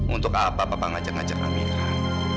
untuk apa papa ngajak ngajak amirah